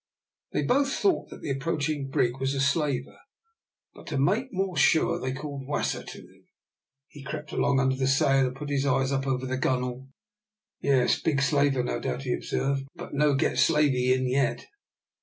They both thought that the approaching brig was a slaver, but to make more sure they called Wasser to them. He crept along under the sail, and put his eyes up over the gunwale: "Yes, big slaver, no doubt," he observed; "but no get slavie in yet."